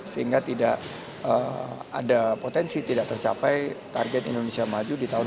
sehingga tidak ada potensi tidak tercapai target indonesia maju di tahun dua ribu dua puluh